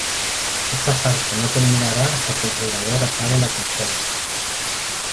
Esta parte no terminará hasta que el jugador apague la consola.